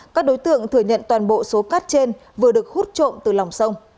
các đối tượng thừa nhận toàn bộ số cát trên vừa được hút trộm từ lòng sông